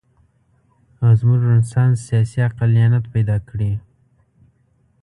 او زموږ رنسانس سیاسي عقلانیت پیدا کړي.